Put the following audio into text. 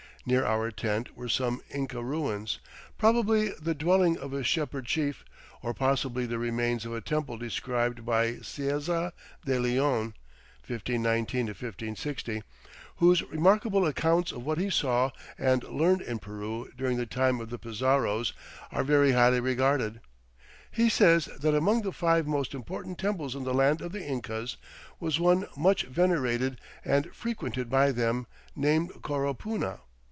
Near our tent were some Inca ruins, probably the dwelling of a shepherd chief, or possibly the remains of a temple described by Cieza de Leon (1519 1560), whose remarkable accounts of what he saw and learned in Peru during the time of the Pizarros are very highly regarded. He says that among the five most important temples in the Land of the Incas was one "much venerated and frequented by them, named Coropuna."